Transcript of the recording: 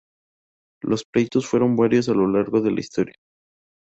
Los pleitos fueron varios a lo largo de la historia.